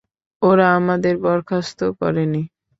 ওরা আমাকে বরখাস্ত করেনি।